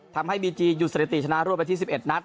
ทำให้บีจีหยุดสถิติชนะรวดไปที่๑๑นัด